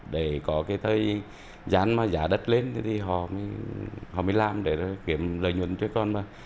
để có cái thời gian mà giá đất lên thì họ mới làm để kiếm lợi nhuận cho con